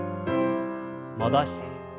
戻して。